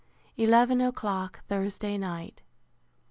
Eleven o'clock Thursday night.